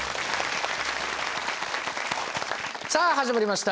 さあ始まりました